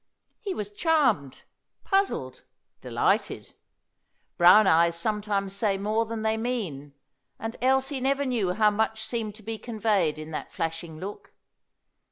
He was charmed, puzzled, delighted. Brown eyes sometimes say more than they mean, and Elsie never knew how much seemed to be conveyed in that flashing look.